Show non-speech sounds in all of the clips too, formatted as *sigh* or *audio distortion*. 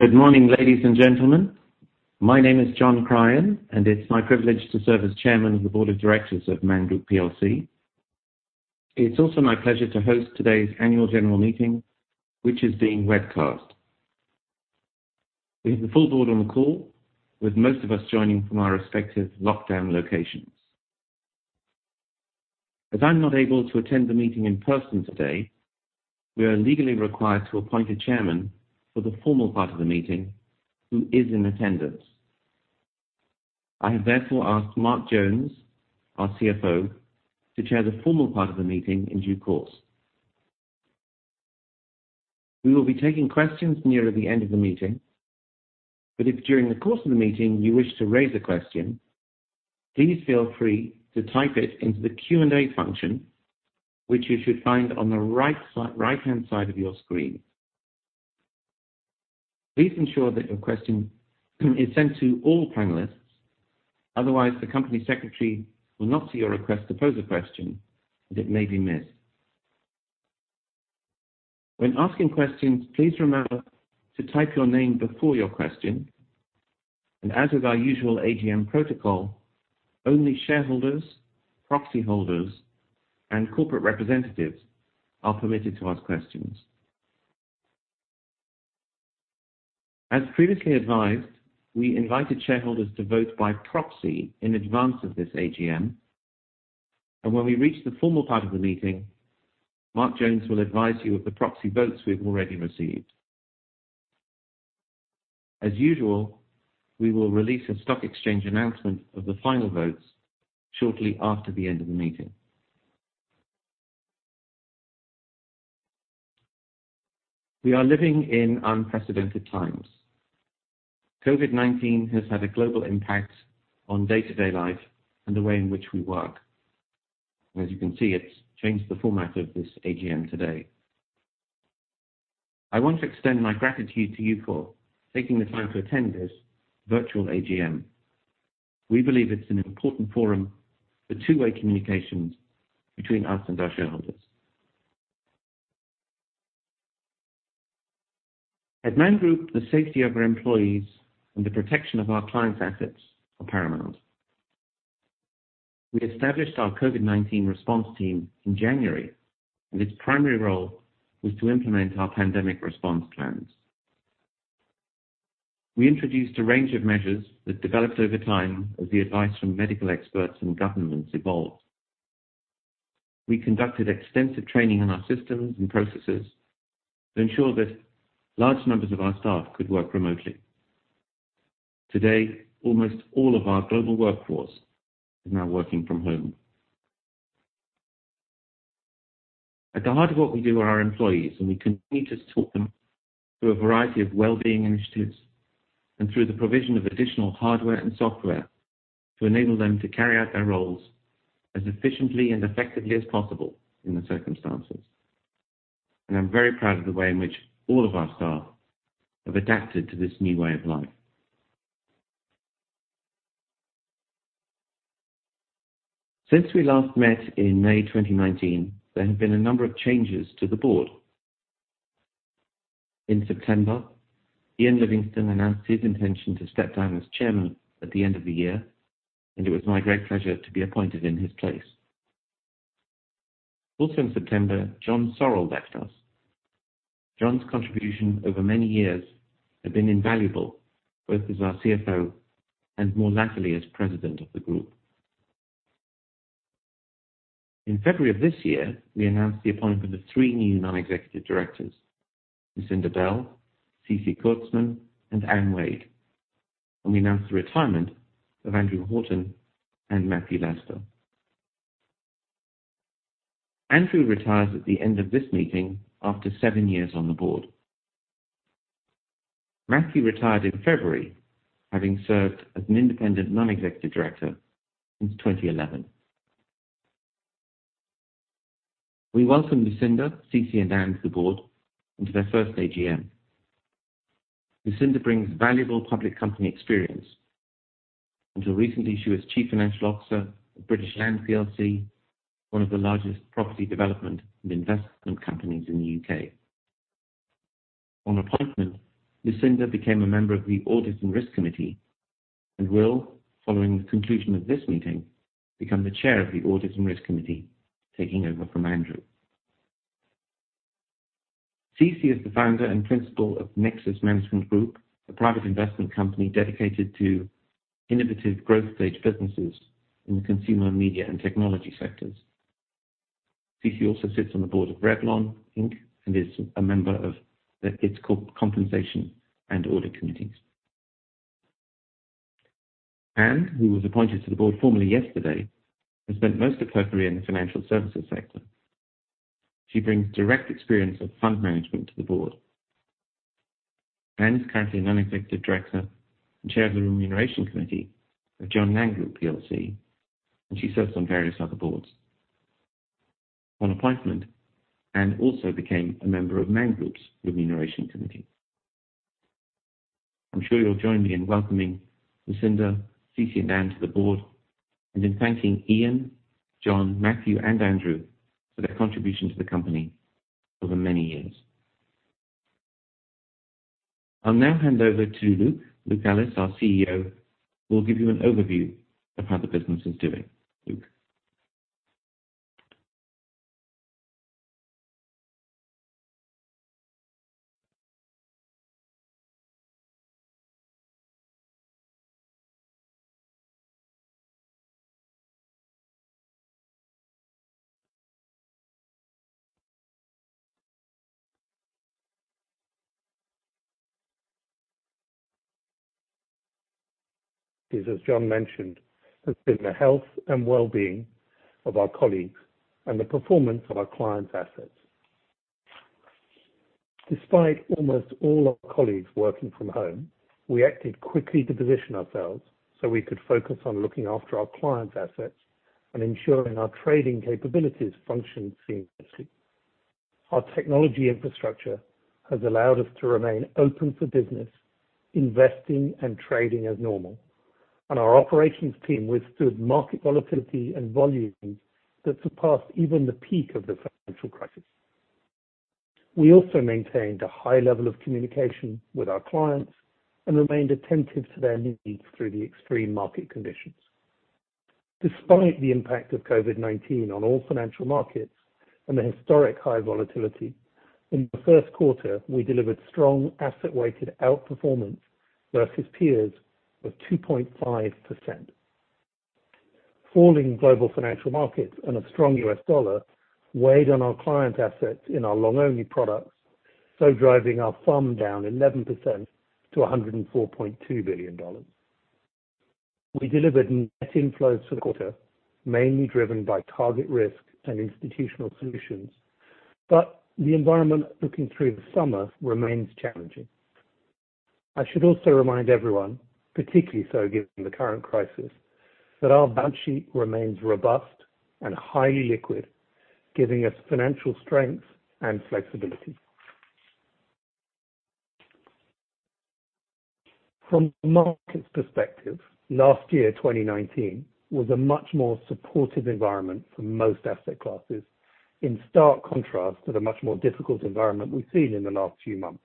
Good morning, ladies and gentlemen. My name is John Cryan. It's my privilege to serve as Chairman of the Board of Directors of Man Group PLC. It's also my pleasure to host today's annual general meeting, which is being webcast. We have the full board on the call, with most of us joining from our respective lockdown locations. As I'm not able to attend the meeting in person today, we are legally required to appoint a chairman for the formal part of the meeting who is in attendance. I have therefore asked Mark Jones, our CFO, to chair the formal part of the meeting in due course. We will be taking questions near the end of the meeting, but if during the course of the meeting you wish to raise a question, please feel free to type it into the Q&A function, which you should find on the right-hand side of your screen. Please ensure that your question is sent to all panelists. Otherwise, the company secretary will not see your request to pose a question, and it may be missed. When asking questions, please remember to type your name before your question. As with our usual AGM protocol, only shareholders, proxy holders, and corporate representatives are permitted to ask questions. As previously advised, we invited shareholders to vote by proxy in advance of this AGM. When we reach the formal part of the meeting, Mark Jones will advise you of the proxy votes we've already received. As usual, we will release a stock exchange announcement of the final votes shortly after the end of the meeting. We are living in unprecedented times. COVID-19 has had a global impact on day-to-day life and the way in which we work. As you can see, it's changed the format of this AGM today. I want to extend my gratitude to you for taking the time to attend this virtual AGM. We believe it's an important forum for two-way communications between us and our shareholders. At Man Group, the safety of our employees and the protection of our clients' assets are paramount. We established our COVID-19 response team in January, and its primary role was to implement our pandemic response plans. We introduced a range of measures that developed over time as the advice from medical experts and governments evolved. We conducted extensive training on our systems and processes to ensure that large numbers of our staff could work remotely. Today, almost all of our global workforce is now working from home. At the heart of what we do are our employees, and we continue to support them through a variety of well-being initiatives and through the provision of additional hardware and software to enable them to carry out their roles as efficiently and effectively as possible in the circumstances. I'm very proud of the way in which all of our staff have adapted to this new way of life. Since we last met in May 2019, there have been a number of changes to the board. In September, Ian Livingston announced his intention to step down as chairman at the end of the year, and it was my great pleasure to be appointed in his place. Also in September, Jon Sorrell left us. Jon's contribution over many years had been invaluable, both as our CFO and more latterly as President of the Group. In February of this year, we announced the appointment of three new non-executive directors, Lucinda Bell, Ceci Kurzman, and Anne Wade, and we announced the retirement of Andrew Horton and Matthew Lester. Andrew retires at the end of this meeting after seven years on the board. Matthew retired in February, having served as an independent non-executive director since 2011. We welcome Lucinda, Ceci, and Anne to the board and to their first AGM. Lucinda brings valuable public company experience. Until recently, she was Chief Financial Officer of British Land PLC, one of the largest property development and investment companies in the U.K. On appointment, Lucinda became a member of the audit and risk committee and will, following the conclusion of this meeting, become the chair of the audit and risk committee, taking over from Andrew. Ceci is the founder and principal of Nexus Management Group, a private investment company dedicated to innovative growth-stage businesses in the consumer, media, and technology sectors. Ceci also sits on the board of Revlon Inc. Is a member of its compensation and audit committees. Anne, who was appointed to the board formally yesterday, has spent most of her career in the financial services sector. She brings direct experience of fund management to the board. Anne is currently a non-executive director and chair of the remuneration committee of Man Group PLC. She serves on various other boards. On appointment, Anne also became a member of Man Group's remuneration committee. I'm sure you'll join me in welcoming Lucinda, Ceci, and Anne to the board and in thanking Ian, Jon, Matthew, and Andrew for their contribution to the company over many years. I'll now hand over to Luke. Luke Ellis, our CEO, will give you an overview of how the business is doing. Luke? *audio distortion* Is, as John mentioned, has been the health and well-being of our colleagues and the performance of our clients' assets. Despite almost all our colleagues working from home, we acted quickly to position ourselves so we could focus on looking after our clients' assets and ensuring our trading capabilities functioned seamlessly. Our technology infrastructure has allowed us to remain open for business, investing and trading as normal, and our operations team withstood market volatility and volumes that surpassed even the peak of the financial crisis. We also maintained a high level of communication with our clients and remained attentive to their needs through the extreme market conditions. Despite the impact of COVID-19 on all financial markets and the historic high volatility, in the first quarter, we delivered strong asset-weighted outperformance versus peers of 2.5%. Falling global financial markets and a strong US dollar weighed on our clients' assets in our long-only products, driving our FUM down 11% to $104.2 billion. We delivered net inflows for the quarter, mainly driven by target risk and institutional solutions. The environment looking through the summer remains challenging. I should also remind everyone, particularly so given the current crisis, that our balance sheet remains robust and highly liquid, giving us financial strength and flexibility. From the market's perspective, last year, 2019, was a much more supportive environment for most asset classes, in stark contrast to the much more difficult environment we've seen in the last few months.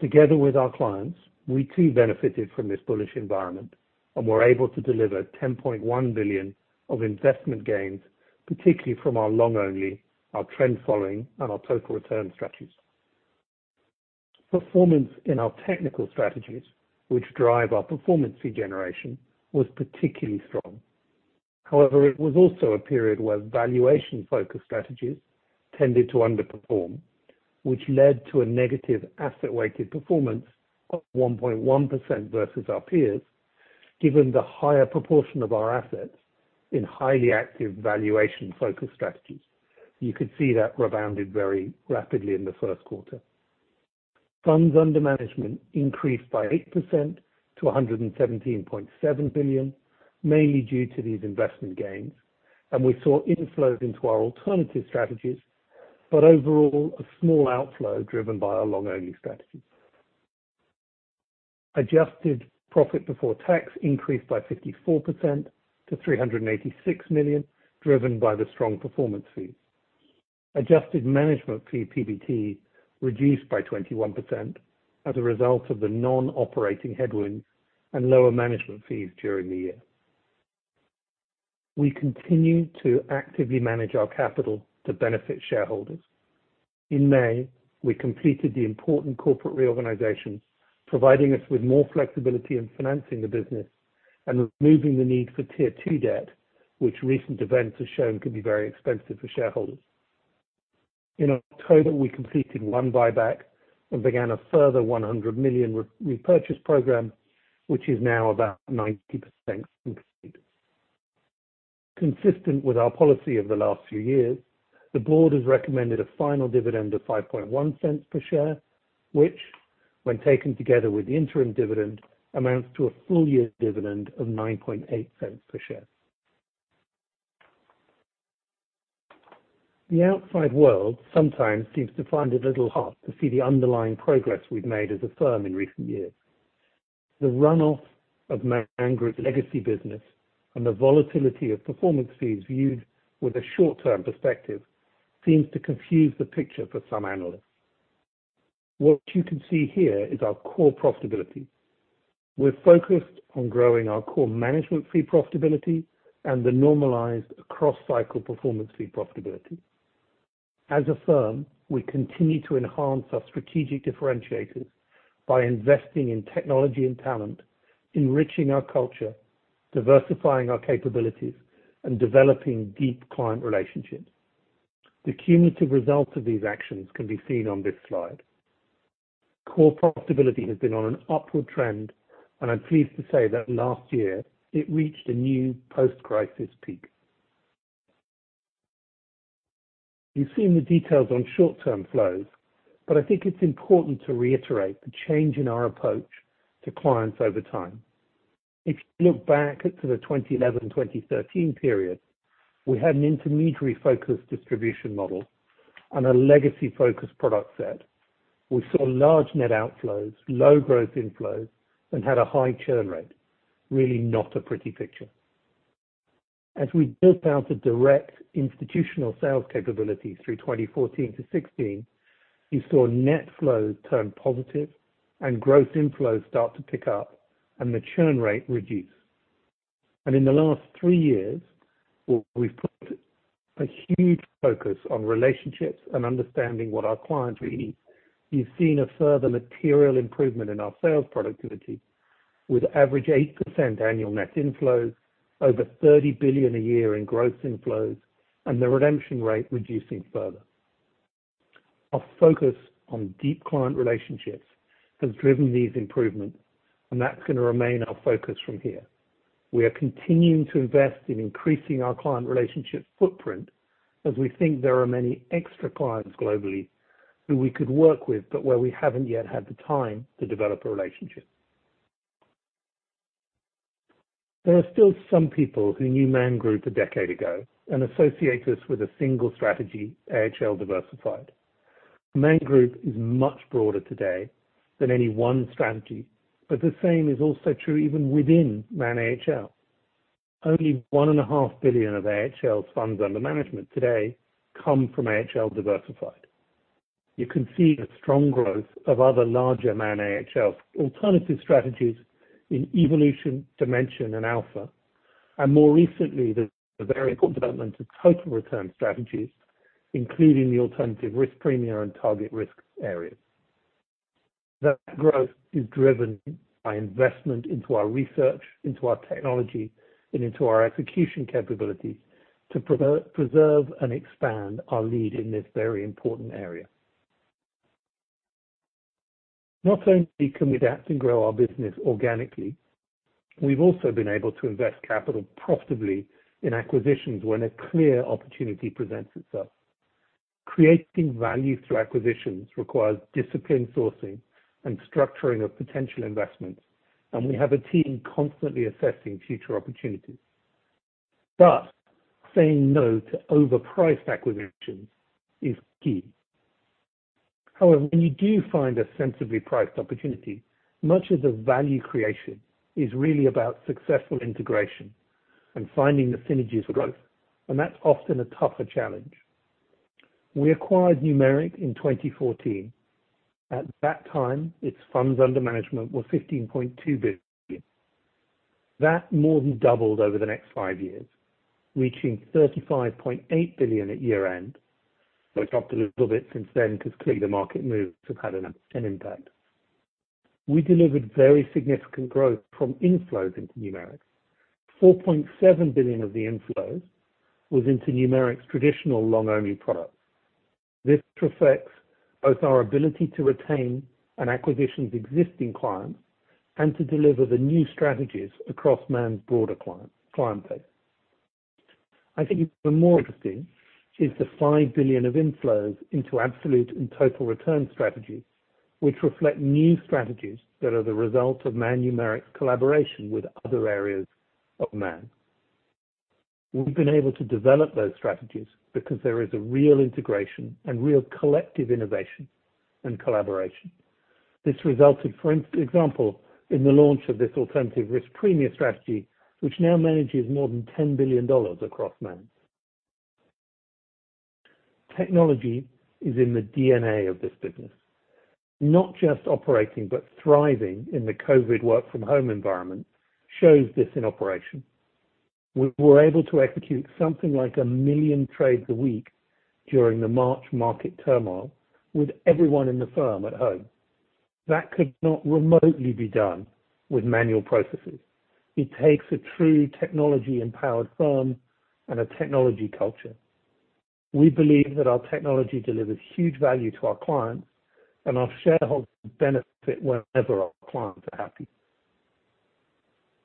Together with our clients, we too benefited from this bullish environment and were able to deliver $10.1 billion of investment gains, particularly from our long-only, trend following, and our total return strategies. Performance in our technical strategies, which drive our performance fee generation, was particularly strong. It was also a period where valuation-focused strategies tended to underperform, which led to a negative asset-weighted performance of 1.1% versus our peers, given the higher proportion of our assets in highly active valuation-focused strategies. You could see that rebounded very rapidly in the first quarter. Funds under management increased by 8% to 117.7 billion, mainly due to these investment gains, and we saw inflows into our alternative strategies, but overall, a small outflow driven by our long-only strategies. Adjusted profit before tax increased by 54% to 386 million, driven by the strong performance fees. Adjusted management fee PBT reduced by 21% as a result of the non-operating headwinds and lower management fees during the year. We continue to actively manage our capital to benefit shareholders. In May, we completed the important corporate reorganisation, providing us with more flexibility in financing the business and removing the need for Tier 2 debt, which recent events have shown can be very expensive for shareholders. In October, we completed one buyback and began a further $100 million repurchase program, which is now about 90% completed. Consistent with our policy of the last few years, the board has recommended a final dividend of $0.051 per share, which, when taken together with the interim dividend, amounts to a full-year dividend of $0.098 per share. The outside world sometimes seems to find it a little hard to see the underlying progress we've made as a firm in recent years. The runoff of Man Group legacy business and the volatility of performance fees viewed with a short-term perspective seems to confuse the picture for some analysts. What you can see here is our core profitability. We're focused on growing our core management fee profitability and the normalized cross-cycle performance fee profitability. As a firm, we continue to enhance our strategic differentiators by investing in technology and talent, enriching our culture, diversifying our capabilities, and developing deep client relationships. The cumulative results of these actions can be seen on this slide. Core profitability has been on an upward trend, and I'm pleased to say that last year it reached a new post-crisis peak. You've seen the details on short-term flows, but I think it's important to reiterate the change in our approach to clients over time. If you look back to the 2011-2013 period, we had an intermediary-focused distribution model and a legacy-focused product set. We saw large net outflows, low growth inflows, and had a high churn rate. Really not a pretty picture. As we built out the direct institutional sales capabilities through 2014 to 2016, you saw net flows turn positive and gross inflows start to pick up and the churn rate reduce. In the last three years, we've put a huge focus on relationships and understanding what our clients really need. You've seen a further material improvement in our sales productivity with average 8% annual net inflows, over 30 billion a year in gross inflows, and the redemption rate reducing further. Our focus on deep client relationships has driven these improvements, and that's going to remain our focus from here. We are continuing to invest in increasing our client relationship footprint as we think there are many extra clients globally who we could work with, but where we haven't yet had the time to develop a relationship. There are still some people who knew Man Group a decade ago and associate us with a single strategy, AHL Diversified. Man Group is much broader today than any one strategy, but the same is also true even within Man AHL. Only 1.5 billion of AHL's funds under management today come from AHL Diversified. You can see the strong growth of other larger Man AHL alternative strategies in Evolution, Dimension, and Alpha, and more recently, the very important development of total return strategies, including the alternative risk premia and target risk areas. That growth is driven by investment into our research, into our technology, and into our execution capabilities to preserve and expand our lead in this very important area. Not only can we adapt and grow our business organically, we've also been able to invest capital profitably in acquisitions when a clear opportunity presents itself. Creating value through acquisitions requires disciplined sourcing and structuring of potential investments, and we have a team constantly assessing future opportunities. Saying no to overpriced acquisitions is key. When you do find a sensibly priced opportunity, much of the value creation is really about successful integration and finding the synergies growth, and that's often a tougher challenge. We acquired Numeric in 2014. At that time, its funds under management were $15.2 billion. That more than doubled over the next five years, reaching $35.8 billion at year-end. It's up a little bit since then because clearly the market moves have had an impact. We delivered very significant growth from inflows into Numeric. $4.7 billion of the inflows was into Numeric's traditional long-only products. This reflects both our ability to retain an acquisition's existing clients and to deliver the new strategies across Man's broader client base. I think even more interesting is the 5 billion of inflows into absolute and total return strategies, which reflect new strategies that are the result of Man Numeric's collaboration with other areas of Man. We've been able to develop those strategies because there is a real integration and real collective innovation and collaboration. This resulted, for example, in the launch of this alternative risk premia strategy, which now manages more than GBP 10 billion across Man. Technology is in the DNA of this business. Not just operating, but thriving in the COVID work from home environment shows this in operation. We were able to execute something like 1 million trades a week during the March market turmoil with everyone in the firm at home. That could not remotely be done with manual processes. It takes a true technology-empowered firm and a technology culture. We believe that our technology delivers huge value to our clients, and our shareholders benefit whenever our clients are happy.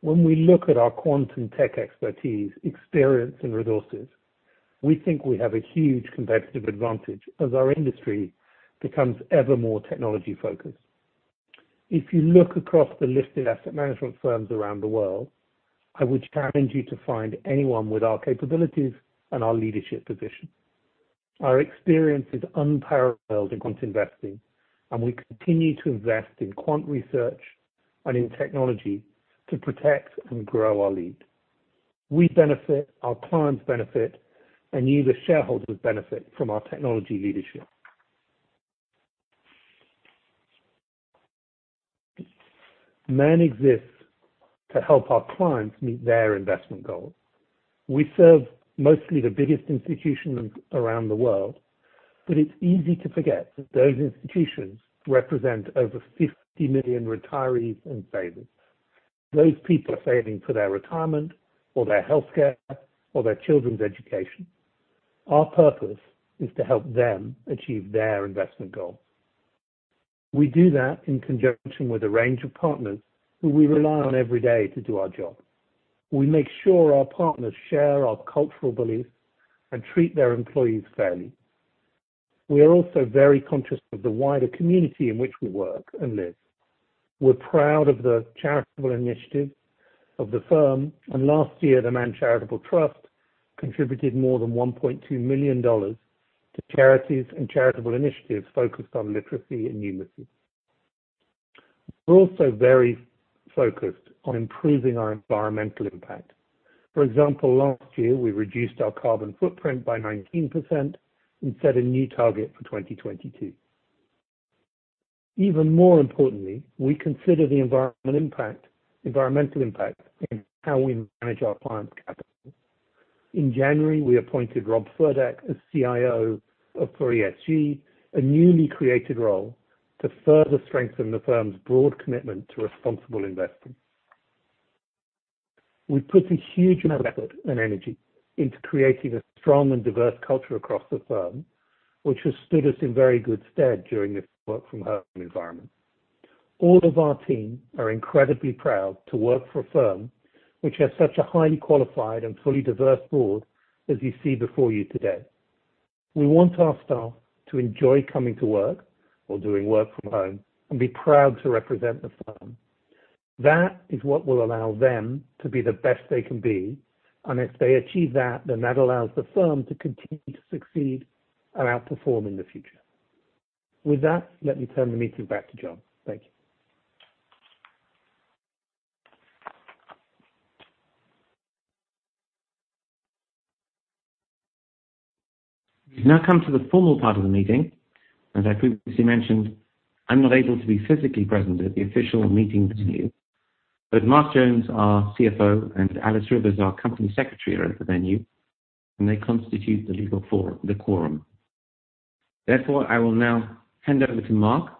When we look at our quant and tech expertise, experience, and resources, we think we have a huge competitive advantage as our industry becomes ever more technology-focused. If you look across the listed asset management firms around the world, I would challenge you to find anyone with our capabilities and our leadership position. Our experience is unparalleled in quant investing, and we continue to invest in quant research and in technology to protect and grow our lead. We benefit, our clients benefit, and you, the shareholders, benefit from our technology leadership. Man exists to help our clients meet their investment goals. We serve mostly the biggest institutions around the world, but it's easy to forget that those institutions represent over 50 million retirees and savers. Those people are saving for their retirement or their healthcare or their children's education. Our purpose is to help them achieve their investment goals. We do that in conjunction with a range of partners who we rely on every day to do our job. We make sure our partners share our cultural beliefs and treat their employees fairly. We are also very conscious of the wider community in which we work and live. We're proud of the charitable initiative of the firm, and last year, the Man Charitable Trust contributed more than $1.2 million to charities and charitable initiatives focused on literacy and numeracy. We're also very focused on improving our environmental impact. For example, last year we reduced our carbon footprint by 19% and set a new target for 2022. Even more importantly, we consider the environmental impact in how we manage our clients' capital. In January, we appointed Rob Furdak as CIO for ESG, a newly created role to further strengthen the firm's broad commitment to responsible investing. We put a huge amount of effort and energy into creating a strong and diverse culture across the firm, which has stood us in very good stead during this work from home environment. All of our team are incredibly proud to work for a firm which has such a highly qualified and fully diverse board as you see before you today. We want our staff to enjoy coming to work or doing work from home and be proud to represent the firm. That is what will allow them to be the best they can be, and if they achieve that, then that allows the firm to continue to succeed and outperform in the future. With that, let me turn the meeting back to John. Thank you. We now come to the formal part of the meeting. As I previously mentioned, I'm not able to be physically present at the official meeting venue, but Mark Jones, our CFO, and Alice Rivers, our Company Secretary, are at the venue, and they constitute the legal forum, the quorum. Therefore, I will now hand over to Mark,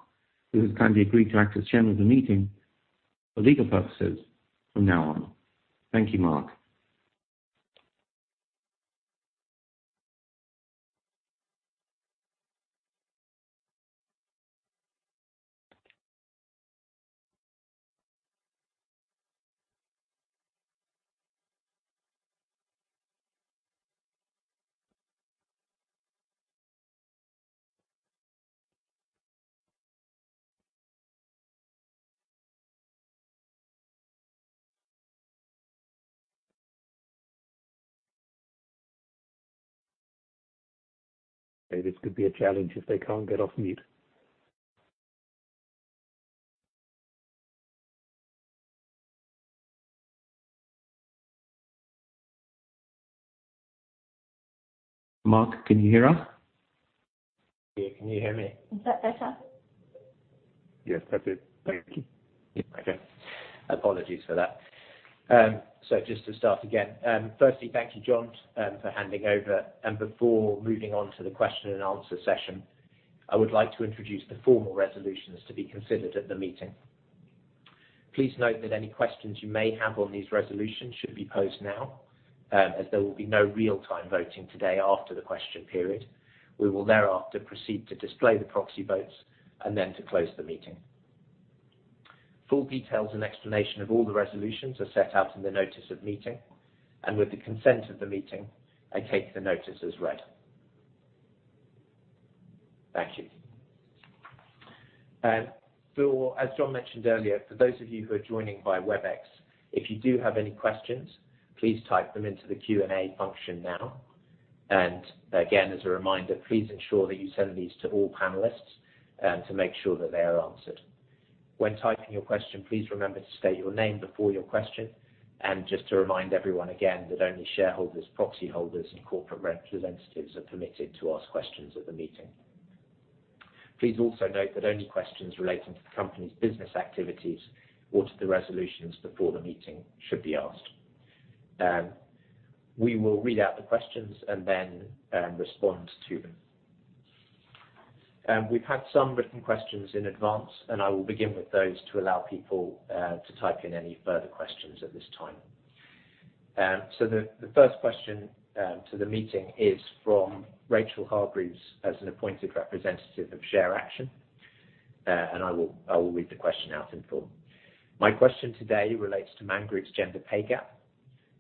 who has kindly agreed to act as chair of the meeting for legal purposes from now on. Thank you, Mark. This could be a challenge if they can't get off mute. Mark, can you hear us? Yeah, can you hear me? Is that better? Yes, that's it. Thank you. Okay. Apologies for that. Just to start again. Firstly, thank you, John, for handing over. Before moving on to the question-and-answer session, I would like to introduce the formal resolutions to be considered at the meeting. Please note that any questions you may have on these resolutions should be posed now, as there will be no real-time voting today after the question period. We will thereafter proceed to display the proxy votes and then to close the meeting. Full details and explanation of all the resolutions are set out in the notice of meeting, and with the consent of the meeting, I take the notice as read. Thank you. John mentioned earlier, for those of you who are joining by Webex, if you do have any questions, please type them into the Q&A function now. Again, as a reminder, please ensure that you send these to all panelists to make sure that they are answered. When typing your question, please remember to state your name before your question. Just to remind everyone again that only shareholders, proxy holders, and corporate representatives are permitted to ask questions at the meeting. Please also note that only questions relating to the company's business activities or to the resolutions before the meeting should be asked. We will read out the questions and then respond to them. We've had some written questions in advance, and I will begin with those to allow people to type in any further questions at this time. The first question to the meeting is from Rachel Hargreaves as an appointed representative of ShareAction, and I will read the question out in full. My question today relates to Man Group's gender pay gap.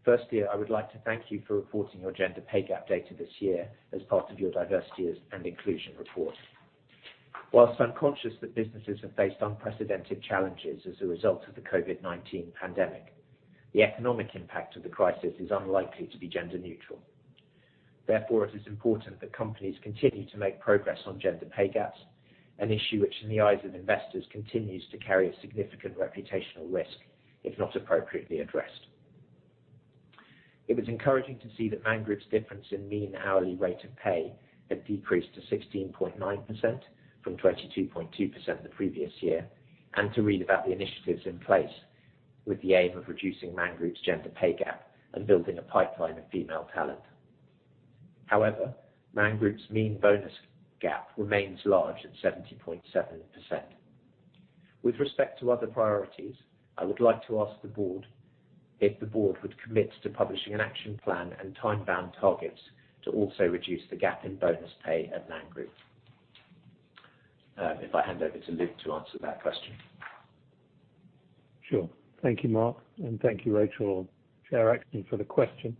I would like to thank you for reporting your gender pay gap data this year as part of your diversity and inclusion report. Whilst I'm conscious that businesses have faced unprecedented challenges as a result of the COVID-19 pandemic, the economic impact of the crisis is unlikely to be gender neutral. It is important that companies continue to make progress on gender pay gaps, an issue which in the eyes of investors continues to carry a significant reputational risk if not appropriately addressed. It was encouraging to see that Man Group's difference in mean hourly rate of pay had decreased to 16.9% from 22.2% the previous year, and to read about the initiatives in place with the aim of reducing Man Group's gender pay gap and building a pipeline of female talent. However, Man Group's mean bonus gap remains large at 70.7%. With respect to other priorities, I would like to ask the board if the board would commit to publishing an action plan and time-bound targets to also reduce the gap in bonus pay at Man Group. If I hand over to Luke to answer that question. Sure. Thank you, Mark, and thank you, Rachel, ShareAction, for the question.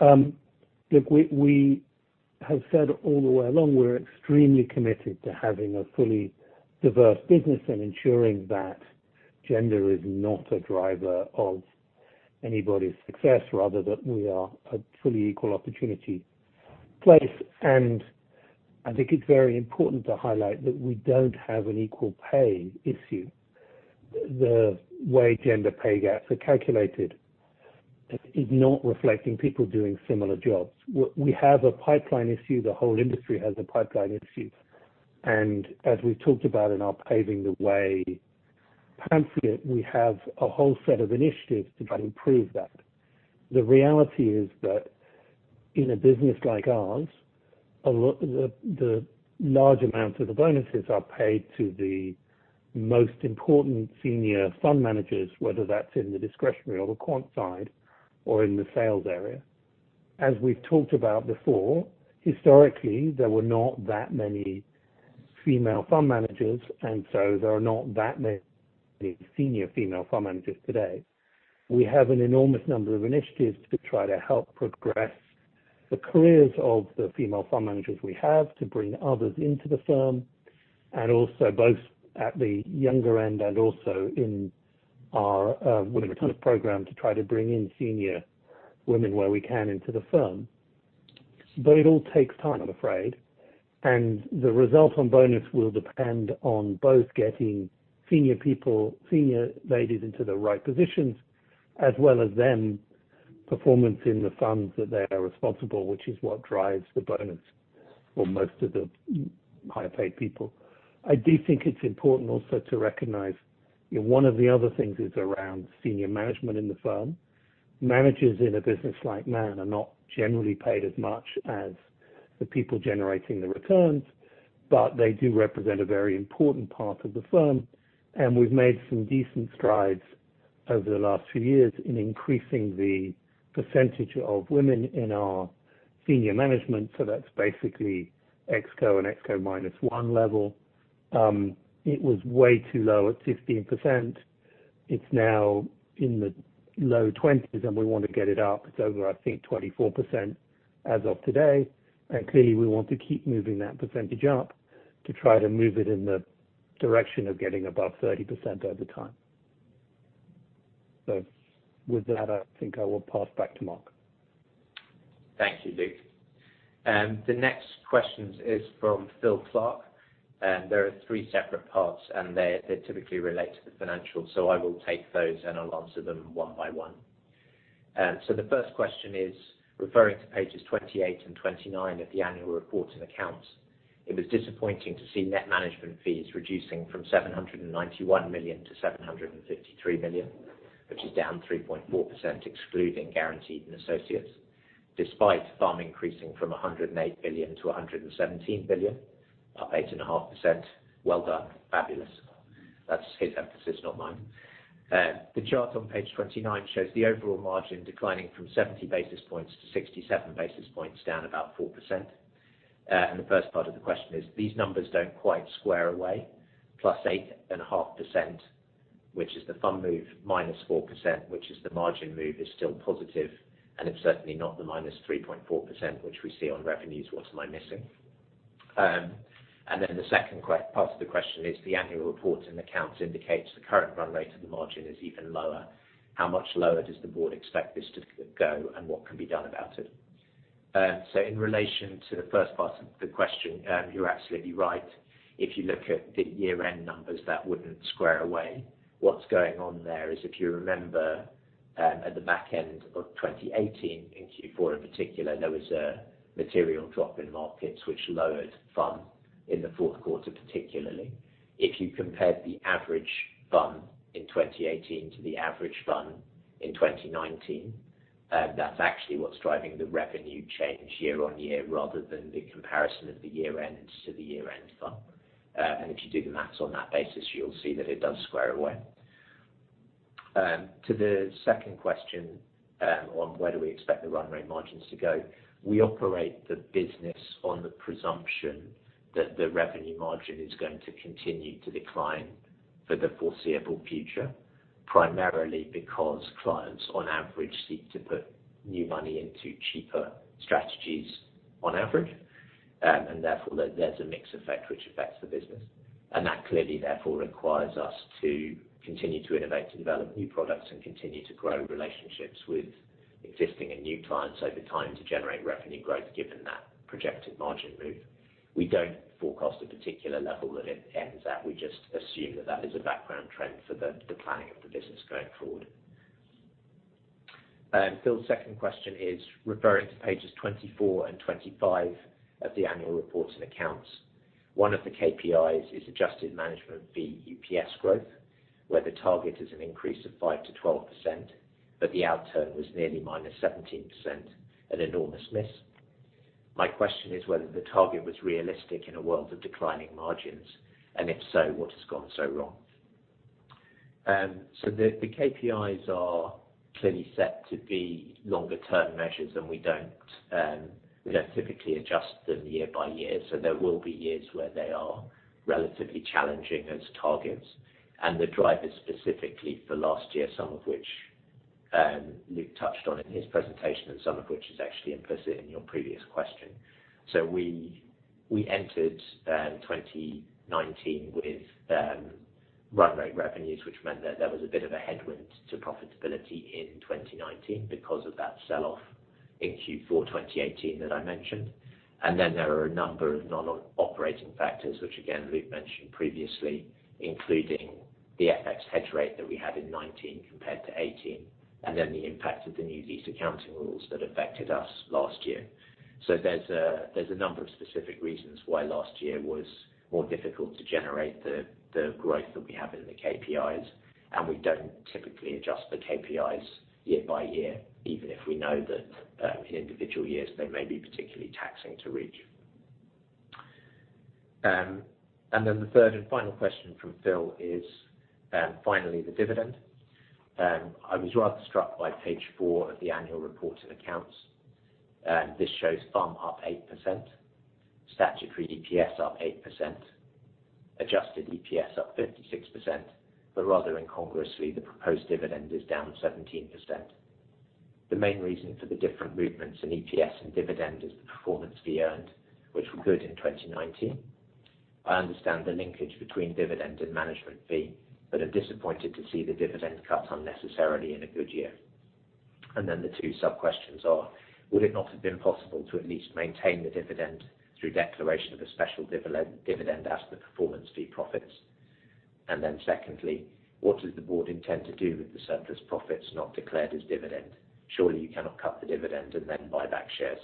Look, we have said all the way along, we're extremely committed to having a fully diverse business and ensuring that gender is not a driver of anybody's success, rather that we are a fully equal opportunity place. I think it's very important to highlight that we don't have an equal pay issue. The way gender pay gaps are calculated is not reflecting people doing similar jobs. We have a pipeline issue. The whole industry has a pipeline issue. As we've talked about in our Paving the Way pamphlet, we have a whole set of initiatives to try to improve that. The reality is that in a business like ours, the large amount of the bonuses are paid to the most important senior fund managers, whether that's in the discretionary or the quant side or in the sales area. As we've talked about before, historically, there were not that many female fund managers. There are not that many senior female fund managers today. We have an enormous number of initiatives to try to help progress the careers of the female fund managers we have to bring others into the firm, and also both at the younger end and also in our women return program to try to bring in senior women where we can into the firm. It all takes time, I'm afraid, and the result on bonus will depend on both getting senior people, senior ladies into the right positions as well as them performing in the funds that they are responsible, which is what drives the bonus for most of the higher-paid people. I do think it's important also to recognize one of the other things is around senior management in the firm. Managers in a business like Man are not generally paid as much as the people generating the returns, but they do represent a very important part of the firm, and we've made some decent strides over the last few years in increasing the percentage of women in our senior management. That's basically ExCo and ExCo minus one level. It was way too low at 15%. It's now in the low 20s, and we want to get it up to over, I think, 24% as of today. Clearly we want to keep moving that % up to try to move it in the direction of getting above 30% over time. With that, I think I will pass back to Mark. Thank you, Luke. The next question is from Phil Clark, and there are three separate parts, and they typically relate to the financials. I will take those and I'll answer them one by one. The first question is referring to pages 28 and 29 of the annual report and accounts. It was disappointing to see net management fees reducing from 791 million to 753 million, which is down 3.4% excluding guaranteed and associates, despite FUM increasing from 108 billion to 117 billion, up 8.5%. Well done. Fabulous. That's his emphasis, not mine. The chart on page 29 shows the overall margin declining from 70 basis points to 67 basis points, down about 4%. The first part of the question is these numbers don't quite square away +8.5%, which is the FUM move minus 4%, which is the margin move is still positive, and it's certainly not the minus 3.4%, which we see on revenues. What am I missing? The second part of the question is the annual report and accounts indicates the current run rate of the margin is even lower. How much lower does the board expect this to go and what can be done about it? In relation to the first part of the question, you're absolutely right. If you look at the year-end numbers, that wouldn't square away. What's going on there is if you remember, at the back end of 2018, in Q4 in particular, there was a material drop in markets which lowered FUM in the fourth quarter, particularly. If you compared the average FUM in 2018 to the average FUM in 2019, that's actually what's driving the revenue change year-over-year rather than the comparison of the year-end to the year-end FUM. If you do the math on that basis, you'll see that it does square away. To the second question on where do we expect the run rate margins to go. We operate the business on the presumption that the revenue margin is going to continue to decline for the foreseeable future, primarily because clients on average seek to put new money into cheaper strategies on average. Therefore, there's a mix effect which affects the business. That clearly therefore requires us to continue to innovate and develop new products and continue to grow relationships with existing and new clients over time to generate revenue growth given that projected margin move. We don't forecast a particular level that it ends at. We just assume that that is a background trend for the planning of the business going forward. Phil's second question is referring to pages 24 and 25 of the annual reports and accounts. One of the KPIs is adjusted management fee EPS growth, where the target is an increase of 5%-12%, but the outturn was nearly minus 17%, an enormous miss. My question is whether the target was realistic in a world of declining margins, and if so, what has gone so wrong? The KPIs are clearly set to be longer term measures than we don't typically adjust them year by year. There will be years where they are relatively challenging as targets and the drivers specifically for last year, some of which Luke touched on in his presentation and some of which is actually implicit in your previous question. We entered 2019 with run rate revenues, which meant that there was a bit of a headwind to profitability in 2019 because of that sell-off in Q4 2018 that I mentioned. Then there are a number of non-operating factors which again, Luke mentioned previously, including the FX hedge rate that we had in 2019 compared to 2018, and then the impact of the new lease accounting rules that affected us last year. There's a number of specific reasons why last year was more difficult to generate the growth that we have in the KPIs, and we don't typically adjust the KPIs year by year, even if we know that in individual years they may be particularly taxing to reach. The third and final question from Phil is, finally the dividend. I was rather struck by page four of the annual report and accounts. This shows FUM up 8%, statutory EPS up 8%, adjusted EPS up 56%, but rather incongruously, the proposed dividend is down 17%. The main reason for the different movements in EPS and dividend is the performance fee earned, which were good in 2019. I understand the linkage between dividend and management fee, but are disappointed to see the dividend cut unnecessarily in a good year. The two sub-questions are, would it not have been possible to at least maintain the dividend through declaration of a special dividend as the performance fee profits? Secondly, what does the board intend to do with the surplus profits not declared as dividend? Surely you cannot cut the dividend and then buy back shares.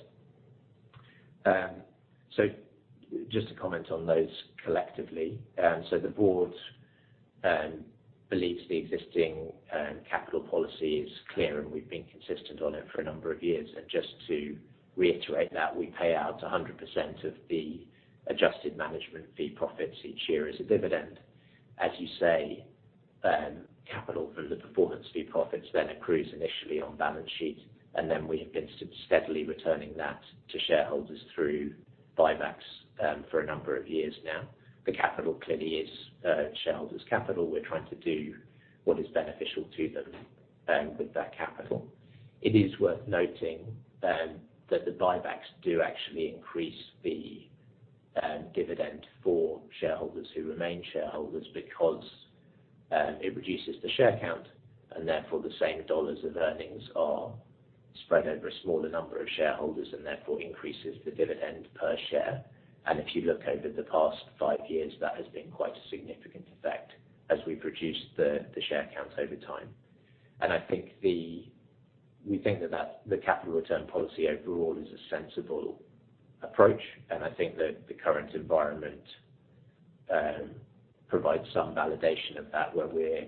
Just to comment on those collectively. The board believes the existing capital policy is clear, and we've been consistent on it for a number of years. Just to reiterate that we pay out 100% of the adjusted management fee profits each year as a dividend. As you say, capital from the performance fee profits then accrues initially on balance sheet, and then we have been steadily returning that to shareholders through buybacks for a number of years now. The capital clearly is shareholders capital. We're trying to do what is beneficial to them with that capital. It is worth noting that the buybacks do actually increase the dividend for shareholders who remain shareholders because it reduces the share count and therefore the same dollars of earnings are spread over a smaller number of shareholders and therefore increases the dividend per share. If you look over the past five years, that has been quite a significant effect as we've reduced the share count over time. We think that the capital return policy overall is a sensible approach, and I think that the current environment provides some validation of that, where we're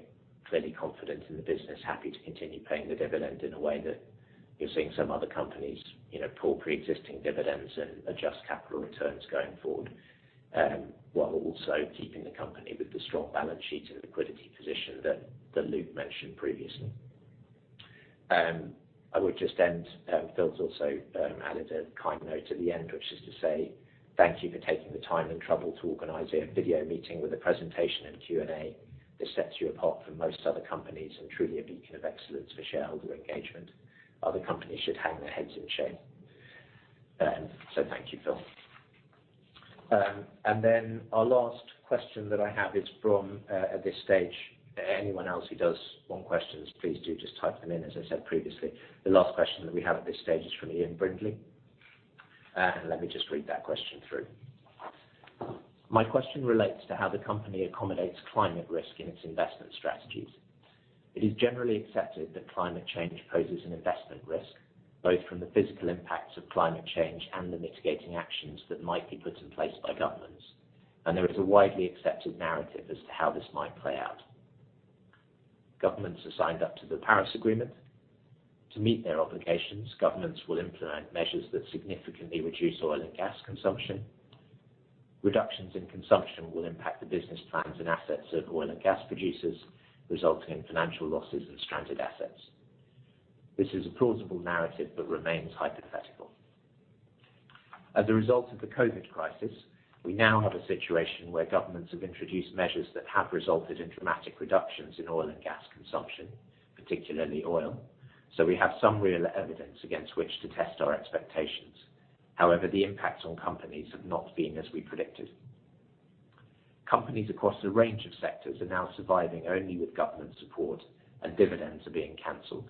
clearly confident in the business, happy to continue paying the dividend in a way that you're seeing some other companies pull pre-existing dividends and adjust capital returns going forward, while also keeping the company with the strong balance sheet and liquidity position that Luke mentioned previously. I would just end, Phil's also added a kind note at the end, which is to say thank you for taking the time and trouble to organize a video meeting with a presentation and Q&A. This sets you apart from most other companies and truly a beacon of excellence for shareholder engagement. Other companies should hang their heads in shame. So thank you, Phil. Then our last question that I have is from, at this stage, anyone else who does want questions, please do just type them in as I said previously. The last question that we have at this stage is from Ian Brindley. Let me just read that question through. My question relates to how the company accommodates climate risk in its investment strategies. It is generally accepted that climate change poses an investment risk, both from the physical impacts of climate change and the mitigating actions that might be put in place by governments. There is a widely accepted narrative as to how this might play out. Governments are signed up to the Paris Agreement. To meet their obligations, governments will implement measures that significantly reduce oil and gas consumption. Reductions in consumption will impact the business plans and assets of oil and gas producers, resulting in financial losses and stranded assets. This is a plausible narrative, but remains hypothetical. As a result of the COVID crisis, we now have a situation where governments have introduced measures that have resulted in dramatic reductions in oil and gas consumption, particularly oil. We have some real evidence against which to test our expectations. The impacts on companies have not been as we predicted. Companies across a range of sectors are now surviving only with government support and dividends are being canceled.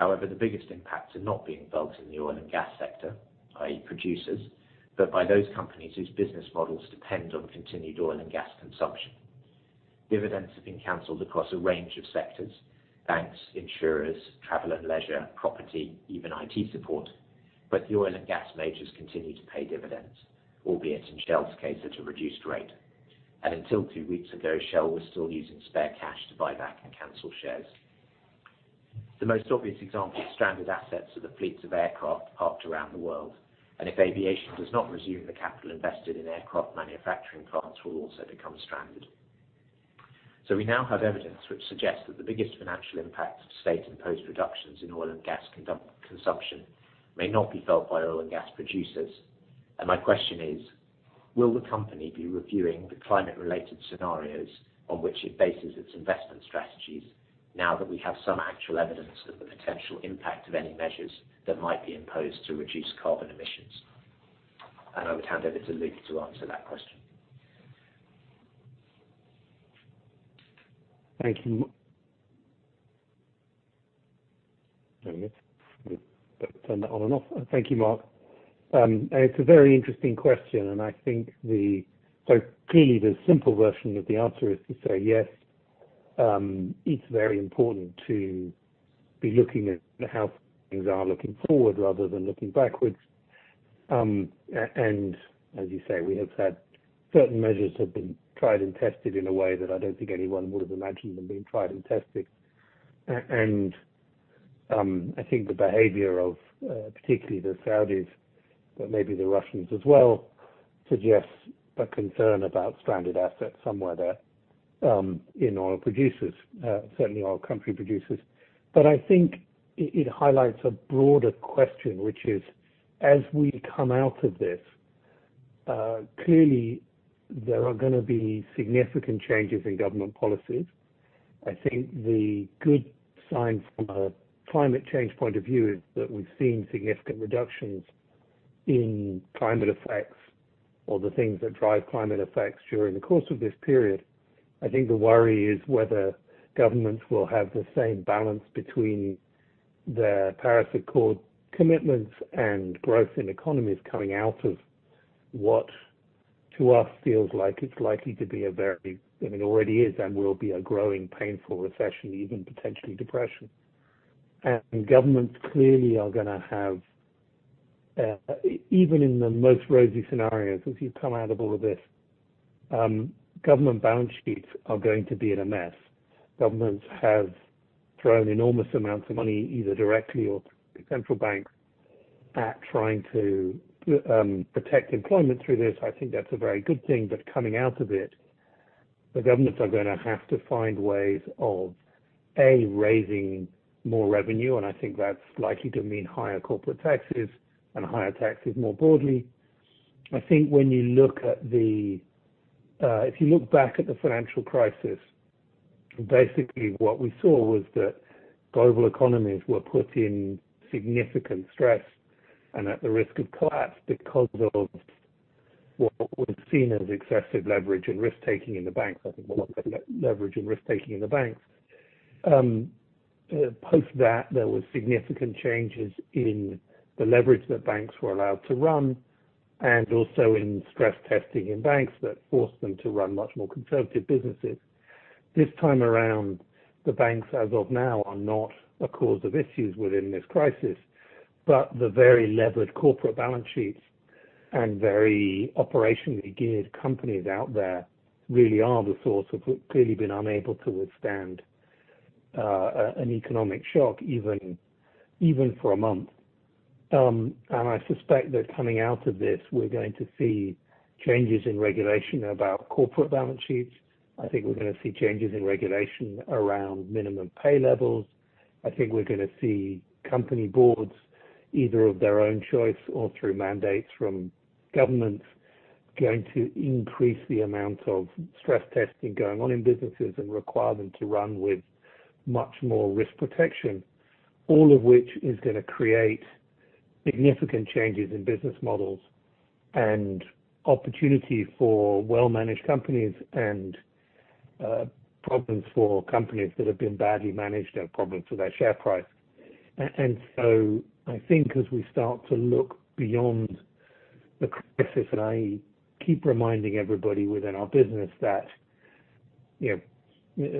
The biggest impacts are not being felt in the oil and gas sector, i.e. producers, but by those companies whose business models depend on continued oil and gas consumption. Dividends have been canceled across a range of sectors: banks, insurers, travel and leisure, property, even IT support. The oil and gas majors continue to pay dividends, albeit in Shell's case, at a reduced rate. Until two weeks ago, Shell was still using spare cash to buy back and cancel shares. The most obvious example of stranded assets are the fleets of aircraft parked around the world. If aviation does not resume, the capital invested in aircraft manufacturing plants will also become stranded. We now have evidence which suggests that the biggest financial impact of state-imposed reductions in oil and gas consumption may not be felt by oil and gas producers. My question is: Will the company be reviewing the climate-related scenarios on which it bases its investment strategies now that we have some actual evidence of the potential impact of any measures that might be imposed to reduce carbon emissions? I would hand over to Luke to answer that question. Thank you, Mark. It's a very interesting question, I think clearly the simple version of the answer is to say yes. It's very important to be looking at how things are looking forward rather than looking backwards. As you say, we have had certain measures that have been tried and tested in a way that I don't think anyone would have imagined them being tried and tested. I think the behavior of, particularly the Saudis, but maybe the Russians as well, suggests a concern about stranded assets somewhere there in oil producers. Certainly oil country producers. I think it highlights a broader question, which is as we come out of this, clearly there are going to be significant changes in government policies. I think the good sign from a climate change point of view is that we've seen significant reductions in climate effects or the things that drive climate effects during the course of this period. I think the worry is whether governments will have the same balance between their Paris Agreement commitments and growth in economies coming out of what, to us, feels like it's likely to be a very, it already is and will be, a growing painful recession, even potentially depression. Governments clearly are going to have, even in the most rosy scenarios, as you come out of all of this, government balance sheets are going to be in a mess. Governments have thrown enormous amounts of money, either directly or through central banks, at trying to protect employment through this. I think that's a very good thing. Coming out of it, the governments are going to have to find ways of, A, raising more revenue, and I think that's likely to mean higher corporate taxes and higher taxes more broadly. I think if you look back at the financial crisis, basically what we saw was that global economies were put in significant stress and at the risk of collapse because of what was seen as excessive leverage and risk-taking in the banks. I think a lot of that leverage and risk-taking in the banks. Post that, there was significant changes in the leverage that banks were allowed to run, and also in stress testing in banks that forced them to run much more conservative businesses. This time around, the banks, as of now, are not a cause of issues within this crisis, but the very levered corporate balance sheets and very operationally geared companies out there really are the source of what clearly been unable to withstand an economic shock, even for a month. I suspect that coming out of this, we're going to see changes in regulation about corporate balance sheets. I think we're going to see changes in regulation around minimum pay levels. I think we're going to see company boards, either of their own choice or through mandates from governments, going to increase the amount of stress testing going on in businesses and require them to run with much more risk protection. All of which is going to create significant changes in business models and opportunity for well-managed companies, and problems for companies that have been badly managed, problems with their share price. I think as we start to look beyond the crisis, and I keep reminding everybody within our business that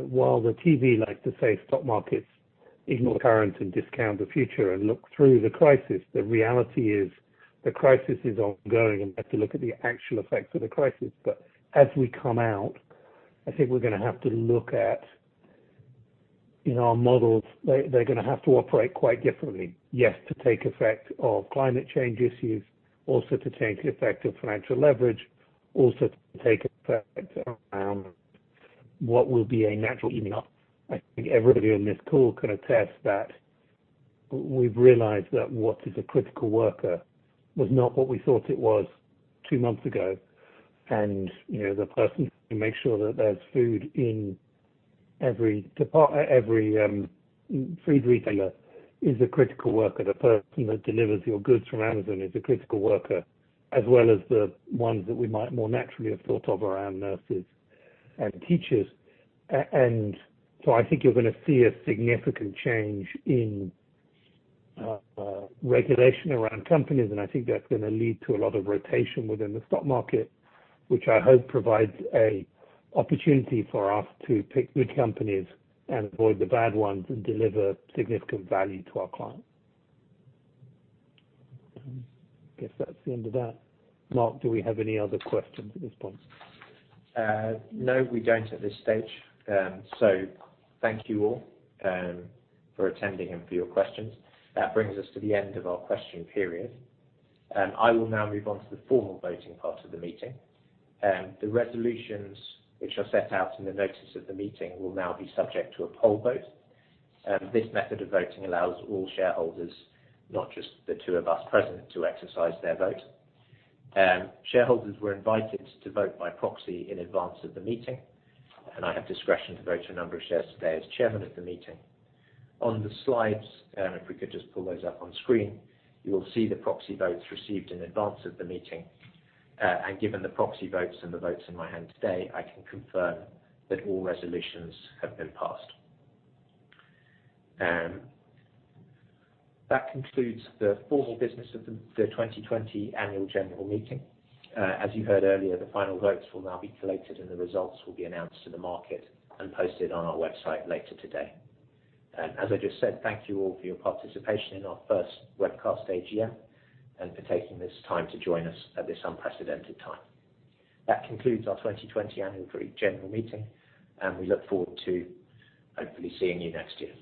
while the TV likes to say stock markets ignore current and discount the future and look through the crisis, the reality is the crisis is ongoing and we have to look at the actual effects of the crisis. As we come out, I think we're going to have to look at our models. They're going to have to operate quite differently. Yes, to take effect of climate change issues, also to take effect of financial leverage, also to take effect around what will be a natural. I think everybody on this call can attest that we've realized that what is a critical worker was not what we thought it was two months ago. The person who makes sure that there's food in every food retailer is a critical worker. The person that delivers your goods from Amazon is a critical worker, as well as the ones that we might more naturally have thought of around nurses and teachers. I think you're going to see a significant change in regulation around companies, and I think that's going to lead to a lot of rotation within the stock market, which I hope provides an opportunity for us to pick good companies and avoid the bad ones and deliver significant value to our clients. I guess that's the end of that. Mark, do we have any other questions at this point? No, we don't at this stage. Thank you all for attending and for your questions. That brings us to the end of our question period. I will now move on to the formal voting part of the meeting. The resolutions which are set out in the notice of the meeting will now be subject to a poll vote. This method of voting allows all shareholders, not just the two of us present, to exercise their vote. Shareholders were invited to vote by proxy in advance of the meeting, and I have discretion to vote a number of shares today as chairman of the meeting. On the slides, if we could just pull those up on screen, you will see the proxy votes received in advance of the meeting. Given the proxy votes and the votes in my hand today, I can confirm that all resolutions have been passed. That concludes the formal business of the 2020 Annual General Meeting. As you heard earlier, the final votes will now be collated and the results will be announced to the market and posted on our website later today. As I just said, thank you all for your participation in our first webcast AGM, and for taking this time to join us at this unprecedented time. That concludes our 2020 Annual General Meeting, and we look forward to hopefully seeing you next year.